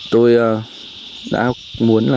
tôi đã muốn